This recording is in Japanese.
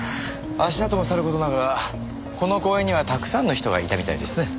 足跡もさる事ながらこの公園にはたくさんの人がいたみたいですね。